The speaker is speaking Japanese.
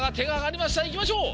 いきましょう！